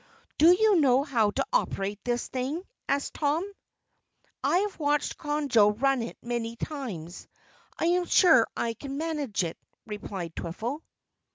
"Do you know how to operate this thing?" asked Tom. "I have watched Conjo run it many times. I am sure I can manage it," replied Twiffle.